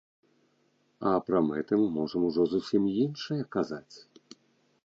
А пра мэты мы можам ужо зусім іншае казаць.